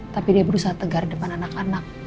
tapi dia berusaha tegar di depan anak anak